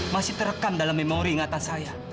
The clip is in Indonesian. masih terekam dalam memori ngata saya